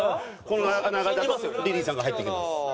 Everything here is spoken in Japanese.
この流れだとリリーさんが入ってきます。